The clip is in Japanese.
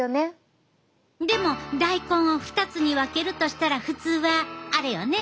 でも大根を２つに分けるとしたら普通はあれよね。